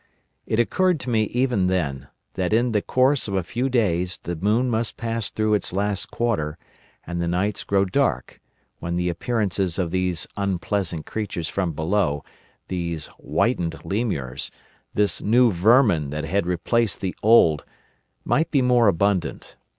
It occurred to me even then, that in the course of a few days the moon must pass through its last quarter, and the nights grow dark, when the appearances of these unpleasant creatures from below, these whitened Lemurs, this new vermin that had replaced the old, might be more abundant.